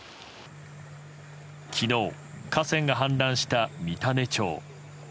昨日、河川が氾濫した三種町。